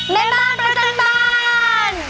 แม่บ้านประจำบาน